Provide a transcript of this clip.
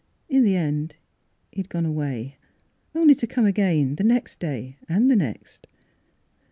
In the end he had gone away — only to come again the next day and the next.